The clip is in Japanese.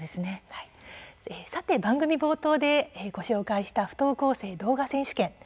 さて、番組冒頭でご紹介した不登校生動画選手権。